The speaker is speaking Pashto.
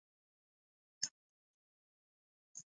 د پېغلې و کوس ته د ځوان غڼ لک شوی